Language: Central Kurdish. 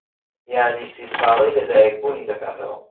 یادی سی ساڵەی لەدایکبوونی دەکاتەوە.